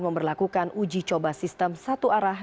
memperlakukan uji coba sistem satu arah